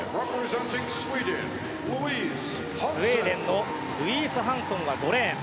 スウェーデンのルイース・ハンソンは５レーン。